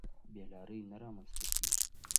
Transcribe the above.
بې لارۍ نه رامنځته کېږي.